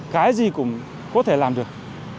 cái gì cũng có thể làm được